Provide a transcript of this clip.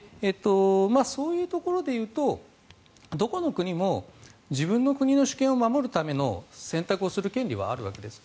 そういうところでいうとどこの国も自分の国の主権を守るための選択をする権利はあるわけです。